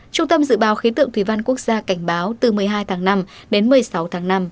trung tâm dự báo khí tượng thủy văn quốc gia cảnh báo từ một mươi hai tháng năm đến một mươi sáu tháng năm